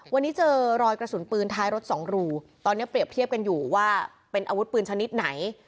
วันนี้เจอรอยกระสุนปืนท้ายรถสองรูตอนนี้เปรียบเทียบกันอยู่ว่าเป็นอาวุธปืนชนิดไหน